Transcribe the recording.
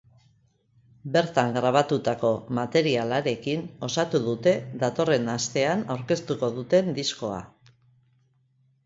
Bertan grabatutako materialarekin osatu dute datorren astean aurkeztuko duten diskoa.